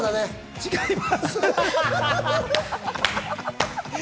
違います。